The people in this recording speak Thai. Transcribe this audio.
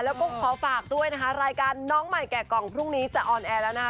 แล้วก็ขอฝากด้วยนะคะรายการน้องใหม่แก่กล่องพรุ่งนี้จะออนแอร์แล้วนะคะ